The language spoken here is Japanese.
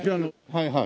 はいはい。